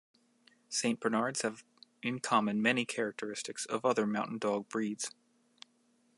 Saint Bernards have in common many characteristics of other Mountain dog breeds.